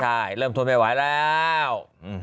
ใช่เริ่มทนไม่ไหวแล้ว